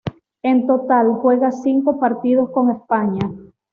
En total, juega cinco partidos con España.